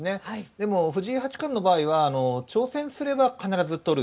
でも藤井八冠の場合は挑戦すれば必ず取る。